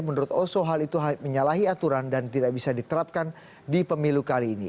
menurut oso hal itu menyalahi aturan dan tidak bisa diterapkan di pemilu kali ini